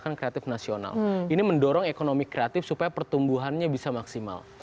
gerakan kreatif nasional ini mendorong ekonomi kreatif supaya pertumbuhannya bisa maksimal